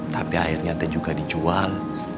tapi akhirnya itu juga dijual